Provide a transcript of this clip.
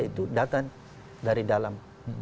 itu datang dari dalam